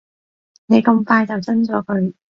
你咁快就憎咗佢